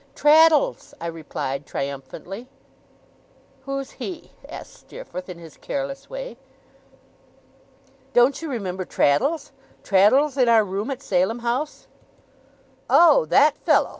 'Traddles!' I replied, triumphantly. 'Who's he?' asked Steerforth, in his careless way. 'Don't you remember Traddles? Traddles in our room at Salem House?' 'Oh! That fellow!